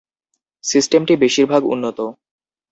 সিস্টেমটি বেশিরভাগ উন্নত।